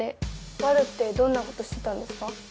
ワルってどんなことしてたんですか？